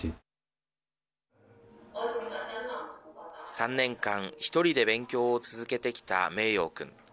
３年間１人で勉強を続けてきた名洋くん。